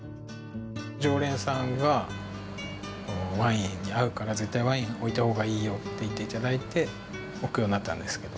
常連さんが「ワインに合うから絶対ワイン置いた方がいいよ」って言って頂いて置くようになったんですけど。